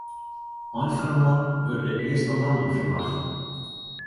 Ein fan 'e moanne wurde de earste lammen ferwachte.